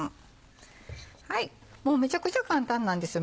もうめちゃくちゃ簡単なんですよ